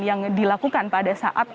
yang dilakukan pada saat